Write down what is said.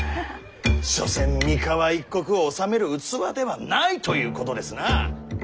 所詮三河一国を治める器ではないということですな。